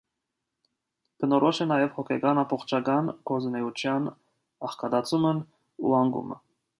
Բնորոշ է նաև հոգեկան ամբողջական գործունեության աղքատացումն ու անկումը։